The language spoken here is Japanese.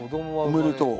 おめでとう。